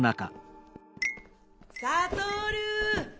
サトルー！